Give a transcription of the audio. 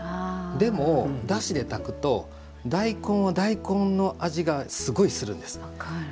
でも、だしで炊くと大根は大根の味がすごいするんです。